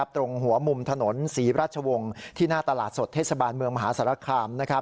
ตรงหัวมุมถนนศรีราชวงศ์ที่หน้าตลาดสดเทศบาลเมืองมหาสารคาม